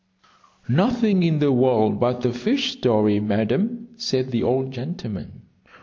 "Nothing in the world but a fish story, Madam," said the old gentleman.